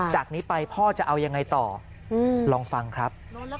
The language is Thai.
จากนี้ไปพ่อจะเอายังไงต่อลองฟังครับ